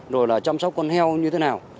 rồi là chăm sóc con heo như thế nào